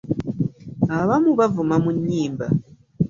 Abamu bavuma mu nnyimba.